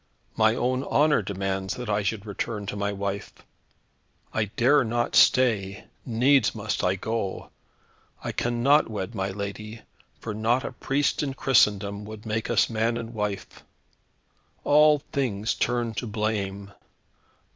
My own honour demands that I should return to my wife. I dare not stay; needs must I go. I cannot wed my lady, for not a priest in Christendom would make us man and wife. All things turn to blame.